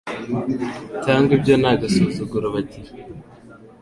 Cyangwa ibyo ni agasuzuguro bagira